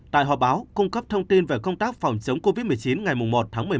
tại họp báo cung cấp thông tin về công tác phòng chống covid một mươi chín ngày một tháng một mươi một